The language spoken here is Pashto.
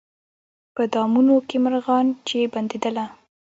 په دامونو کي مرغان چي بندېدله